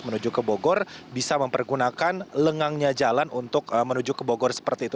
menuju ke bogor bisa mempergunakan lengangnya jalan untuk menuju ke bogor seperti itu